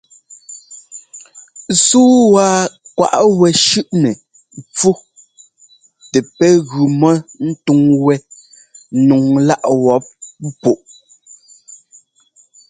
Súu wa kwaꞌ wɛ shʉ́ꞌnɛ ḿpfú tɛ pɛ́ gʉ mɔ ńtúŋ wɛ́ nɔŋláꞌ wɔp púꞌu.